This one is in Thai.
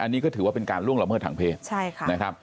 อันนี้ก็ถือว่าเป็นการล่วงละเมิดทางเพศนะครับ